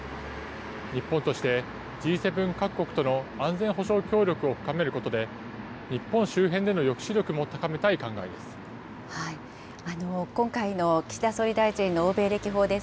日本として、Ｇ７各国との安全保障協力を深めることで、日本周辺での抑止力も高めたい考えです。